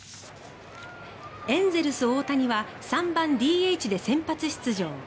エンゼルス、大谷は３番ＤＨで先発出場。